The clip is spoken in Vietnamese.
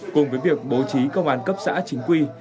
cùng với việc bố trí công an cấp xã chính quy